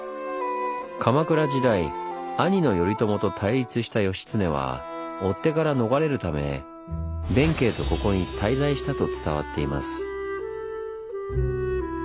鎌倉時代兄の頼朝と対立した義経は追っ手から逃れるため弁慶とここに滞在したと伝わっています。